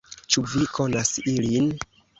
Ĉu vi konas ilin?